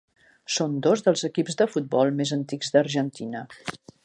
Són dos dels equips de futbol més antics d'Argentina.